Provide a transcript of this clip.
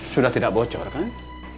sudah tidak bocor kang